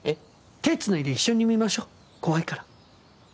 手つないで一緒に見ましょう怖いから。